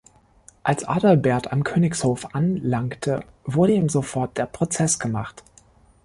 Als Adalbert am Königshof anlangte, wurde ihm sofort der Prozess gemacht.